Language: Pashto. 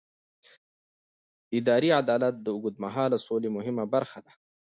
اداري عدالت د اوږدمهاله سولې مهمه برخه ده